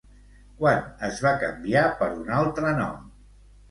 Quan es va canviar per un altre nom?